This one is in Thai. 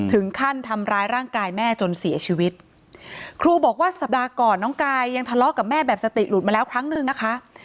ถึงขั้นทำร้ายร่างกายแม่จนเสียชีวิตครูบอกว่าสัปดาห์ก่อนน้องกายยังทะเลาะกับแม่แบบสติหลุดมาแล้วครั้งหนึ่งนะคะ